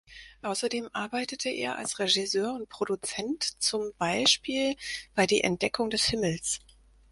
Außerdem arbeitete er als Regisseur und Produzent zum Beispiel bei "Die Entdeckung des Himmels".